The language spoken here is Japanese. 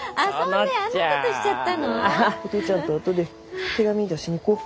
お父ちゃんとあとで手紙出しに行こう。